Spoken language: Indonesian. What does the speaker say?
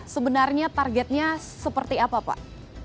sebenarnya targetnya seperti apa pak